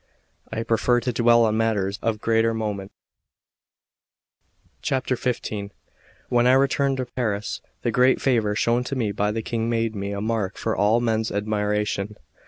I prefer to dwell on matters of greater moment. XV WHEN I returned to Paris, the great favour shown me by the King made me a mark for all men's admiration.